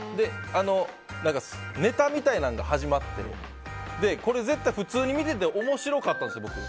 ネタみたいなのが始まってこれ、絶対普通に見ていて面白かったんです、僕。